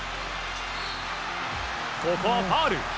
ここはファウル。